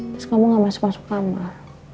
terus kamu gak masuk masuk kamar